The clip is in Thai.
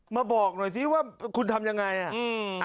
บอกหน่อยสิว่าคุณทำยังไงอ่ะอืม